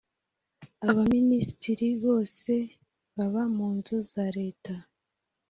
abaminisitiri bose baba munzu zareta.